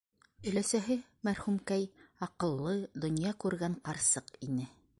Өләсәһе, мәрхүмкәй, аҡыллы, донъя күргән ҡарсыҡ ине.